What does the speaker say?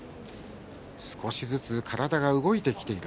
少しずつ体が動いてきている